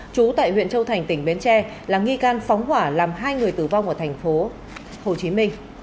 chú tại huyện châu thành tỉnh bến tre là nghi can phóng hỏa làm hai người tử vong ở tp hcm